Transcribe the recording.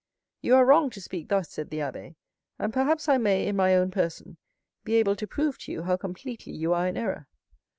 "You are wrong to speak thus," said the abbé; "and perhaps I may, in my own person, be able to prove to you how completely you are in error."